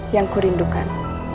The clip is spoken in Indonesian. yang ku rindukan